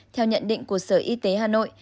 theo nhận định của sở y tế hà nội